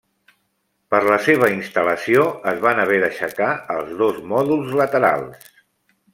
Per la seva instal·lació es van haver d'aixecar els dos mòduls laterals.